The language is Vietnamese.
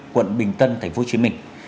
quận bình tân tp hcm